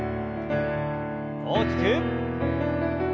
大きく。